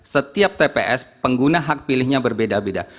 setiap tps penggunaan tps pemilihnya berbeda beda